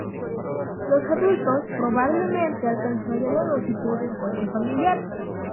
Los adultos probablemente alcanzarían la longitud de un coche familiar.